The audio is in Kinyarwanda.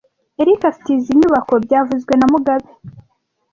Eric afite izoi nyubako byavuzwe na mugabe